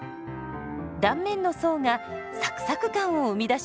断面の層がサクサク感を生み出します。